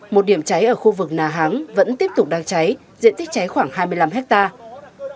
một điểm cháy ở khu vực nà háng vẫn tiếp tục đang cháy diện tích cháy khoảng hai mươi năm hectare